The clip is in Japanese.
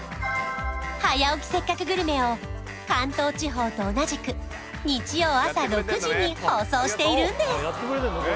「早起きせっかくグルメ！！」を関東地方と同じく日曜朝６時に放送しているんです